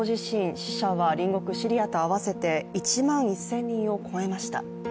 死者は隣国シリアと合わせて１万１０００人を超えました。